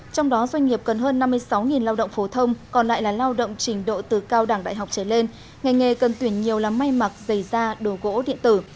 trong đó doanh nghiệp cần hơn năm mươi sáu lao động phổ thông còn lại là lao động trình độ từ cao đẳng đại học trở lên ngành nghề cần tuyển nhiều là may mặc giày da đồ gỗ điện tử